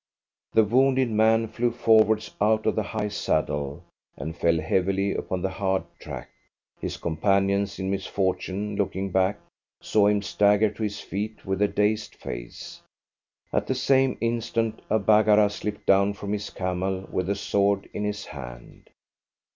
The wounded man flew forwards out of the high saddle, and fell heavily upon the hard track. His companions in misfortune, looking back, saw him stagger to his feet with a dazed face. At the same instant a Baggara slipped down from his camel with a sword in his hand.